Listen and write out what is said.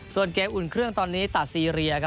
ส่วนเกมอุ่นเครื่องตอนนี้ตัดซีเรีย